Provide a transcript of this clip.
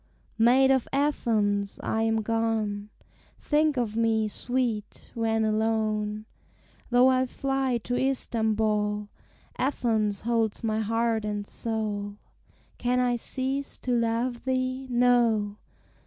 ] Maid of Athens! I am gone. Think of me, sweet! when alone. Though I fly to Istambol, Athens holds my heart and soul: Can I cease to love thee? No!